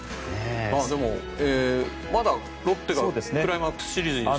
でも、まだロッテがクライマックスシリーズに進む。